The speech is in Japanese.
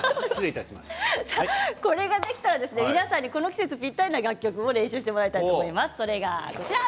これができたら皆さんにこの季節ぴったりの楽曲を練習していただきます。